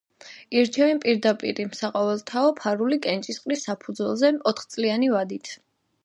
ირჩევენ პირდაპირი, საყოველთაო, ფარული კენჭისყრის საფუძველზე ოთხწლიანი ვადით.